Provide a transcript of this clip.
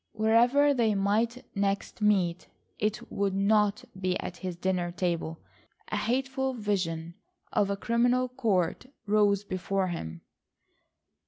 Wherever they might next meet it would not be at his dinner table. A hateful vision of a criminal court rose before him.